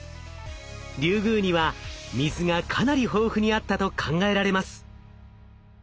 リュウグウには水がかなり豊富にあったと考えられます。